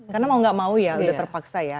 karena mau gak mau ya udah terpaksa ya